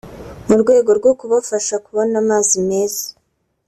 mu rwego rwo kubafasha kubona amazi meza